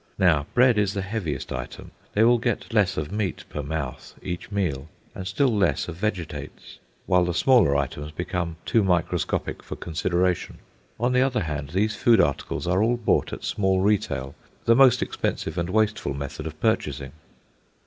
Now bread is the heaviest item. They will get less of meat per mouth each meal, and still less of vegetables; while the smaller items become too microscopic for consideration. On the other hand, these food articles are all bought at small retail, the most expensive and wasteful method of purchasing.